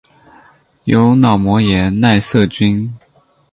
由脑膜炎奈瑟菌。